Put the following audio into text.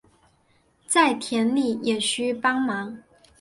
在田里也需帮忙